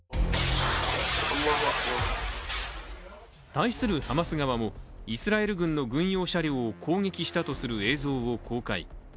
対するハマス側も、イスラエル軍の軍用車両を攻撃したとする映像を公開。